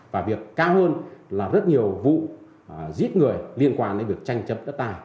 và việc cao hơn là rất nhiều vụ giết người liên quan đến việc tranh chấp đất đai